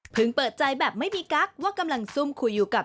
เปิดใจแบบไม่มีกั๊กว่ากำลังซุ่มคุยอยู่กับ